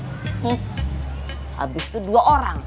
habis itu dua orang